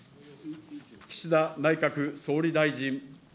岸田内閣総理大臣。